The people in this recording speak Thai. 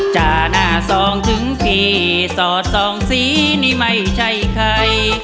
จ่าหน้าซองถึงพี่สอดส่องสีนี่ไม่ใช่ใคร